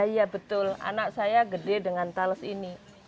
iya betul anak saya gede dengan tales ini